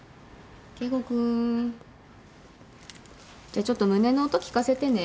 じゃちょっと胸の音聞かせてね。